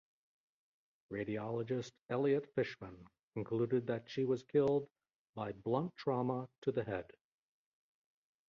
Radiologist Elliot Fishman concluded that she was killed by blunt trauma to the head.